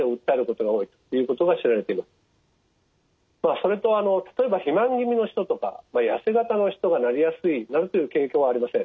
それと例えば肥満気味の人とかやせ型の人がなりやすいなどという傾向はありません。